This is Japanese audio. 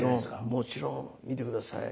もちろん見て下さい。